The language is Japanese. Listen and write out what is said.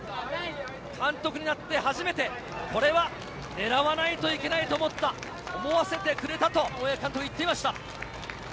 監督になって初めて、これは狙わないといけないと思ったと、思わせてくれたと、大八木監督、言っていました。